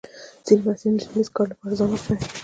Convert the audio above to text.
ځینې محصلین د ډله ییز کار لپاره ځان وقفوي.